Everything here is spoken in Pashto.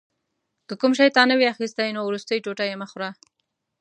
که کوم شی تا نه وي اخیستی نو وروستی ټوټه یې مه خوره.